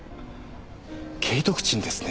景徳鎮ですね？